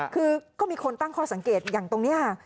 คือก็มีคนตั้งข้อสังเกตอย่างตรงนี้ค่ะ